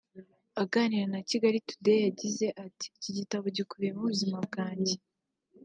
Aganira na Kigali Today yagize ati” Iki gitabo gikubiyemo ubuzima bwanjye